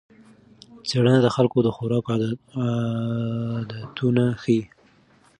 څېړنه د خلکو د خوراک عادتونه ښيي.